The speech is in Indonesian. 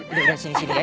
udah udah sini sini